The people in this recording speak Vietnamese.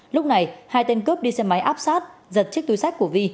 lúc này hai tên cướp đi xe máy áp sát giật chiếc túi sách của vi